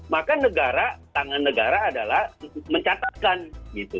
maka negara tangan negara adalah mencatatkan gitu